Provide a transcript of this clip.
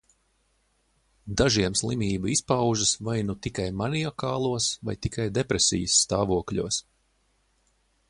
Dažiem slimība izpaužas vai nu tikai maniakālos vai tikai depresijas stāvokļos.